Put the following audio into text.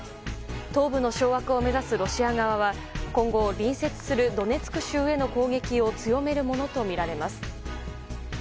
東部の掌握を目指すロシア側は今後、隣接するドネツク州への攻撃を強めるものとみられます。